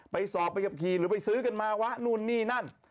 ไปสอบไปกับขี่หรือไปซื้อกันมาวะนู่นนี่นั่น